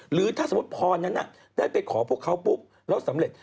หรือถ้าสมมุติพรนั้นได้ไปขอพวกเขาปุ๊บแล้วสำเร็จ